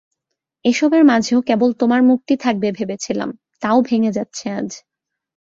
এসবের মাঝেও কেবল তোমার মুখটি থাকবে ভেবেছিলাম, তাও ভেঙে যাচ্ছে আজ।